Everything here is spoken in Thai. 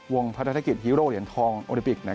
วงพัฒนาศักดิ์ฮีโรเหลี่ยนทองโอลิปิก